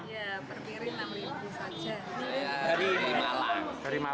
ya per piring enam ribu